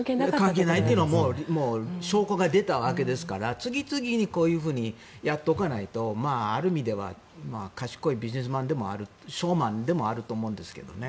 関係がないという証拠が出たわけですから次々にこういうふうにやっておかないとある意味では賢いビジネスマンでもあるショーマンでもあると思うんですけどね。